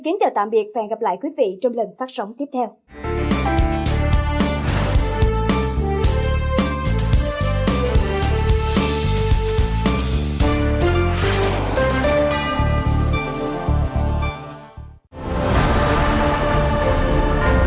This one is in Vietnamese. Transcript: kính chào tạm biệt và gặp lại quý vị trong lần phát sóng tiếp theo à à à à à à à à à à à